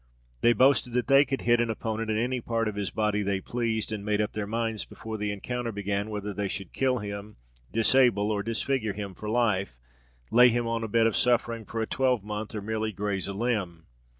They boasted that they could hit an opponent in any part of his body they pleased, and made up their minds before the encounter began whether they should kill him, disable, or disfigure him for life lay him on a bed of suffering for a twelvemonth, or merely graze a limb.